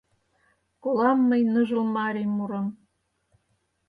Колам мый ныжыл марий мурым.